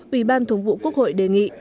ủy ban thống vụ quốc hội đề nghị